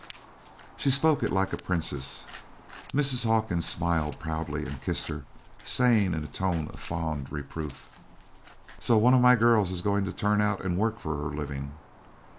She spoke it like a princess. Mrs. Hawkins smiled proudly and kissed her, saying in a tone of fond reproof: "So one of my girls is going to turn out and work for her living!